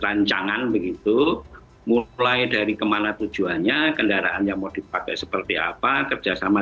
rancangan begitu mulai dari kemana tujuannya kendaraan yang mau dipakai seperti apa kerjasama